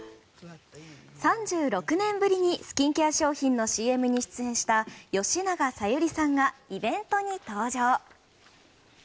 ３６年ぶりにスキンケア商品のＣＭに出演した吉永小百合さんがイベントに登場。